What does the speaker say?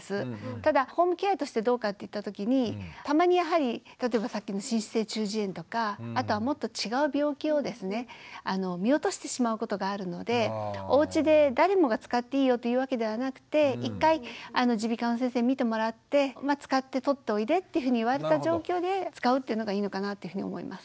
ただホームケアとしてどうかっていったときにたまにやはり例えばさっきの滲出性中耳炎とかあとはもっと違う病気をですね見落としてしまうことがあるのでおうちで誰もが使っていいよというわけではなくて一回耳鼻科の先生に診てもらって使って取っておいでっていうふうに言われた状況で使うというのがいいのかなというふうに思います。